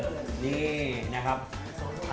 นี่นะครับ